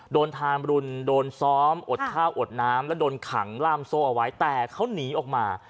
ทามรุนโดนซ้อมอดข้าวอดน้ำแล้วโดนขังล่ามโซ่เอาไว้แต่เขาหนีออกมา